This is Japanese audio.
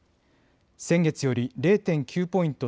先月より０．９ポイント